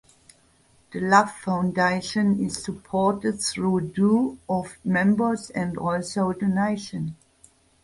The Love Foundation is supported through due of members and also donation.